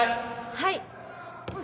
はい。